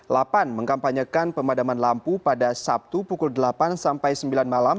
lapan mengkampanyekan pemadaman lampu pada sabtu pukul delapan sampai sembilan malam